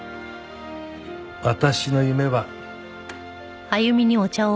私の夢は。